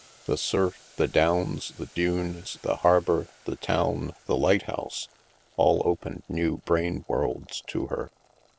The surf, the downs, the dunes, the harbor, the town, the lighthouse, all opened new brain worlds to her.